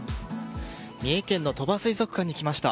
三重県の鳥羽水族館に来ました。